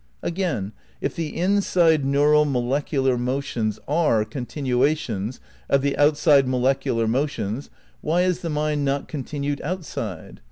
Again : If the inside neural molecular motions are continuations of the outside molecular motions, why is the mind not continued outside?